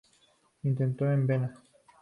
Injerto de vena.